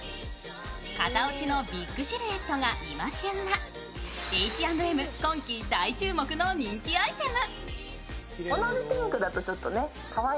肩落ちのビッグシルエットがイマ旬のＨ＆Ｍ今季大注目の人気アイテム。